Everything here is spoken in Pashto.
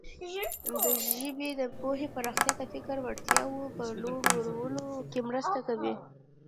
د ژبې د پوهې پراختیا د فکري وړتیاوو په لوړولو کې مرسته کوي.